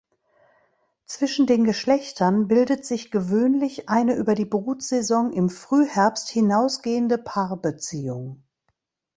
Zwischen den Geschlechtern bildet sich gewöhnlich eine über die Brutsaison im Frühherbst hinausgehende Paarbeziehung.